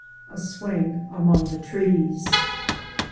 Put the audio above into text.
A SWING AMONG THE TREES.